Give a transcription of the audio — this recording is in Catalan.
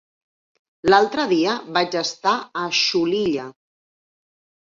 L'altre dia vaig estar a Xulilla.